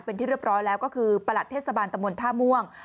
เป็นที่เรียบร้อยแล้วก็คือประหลัดเทศบาลตะมนต์ท่าม่วง